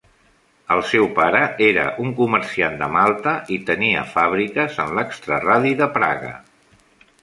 El seu pare era un comerciant de malta i tenia fàbriques en l'extraradi de Praga.